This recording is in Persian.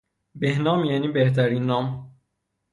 بهنام یعنی بهترین نام